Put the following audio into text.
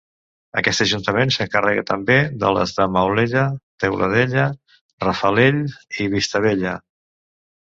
Aquest ajuntament s'encarrega també de les de Mauella, Teuladella, Rafalell i Vistabella.